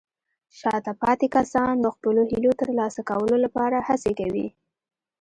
شاته پاتې کسان د خپلو هیلو ترلاسه کولو لپاره هڅې کوي.